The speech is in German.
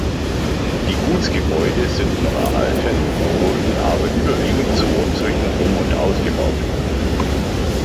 Die Gutsgebäude sind noch erhalten, wurden aber überwiegend zu Wohnzwecken um- und ausgebaut.